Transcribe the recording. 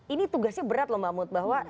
ini tugasnya berat loh mbak mut bahwa